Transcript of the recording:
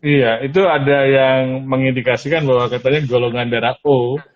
iya itu ada yang mengindikasikan bahwa katanya golongan darah o